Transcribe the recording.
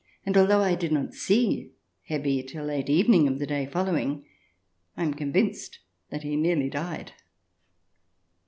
hi although I did not see Herr B till late evening of the day following, I am convinced that he nearly died.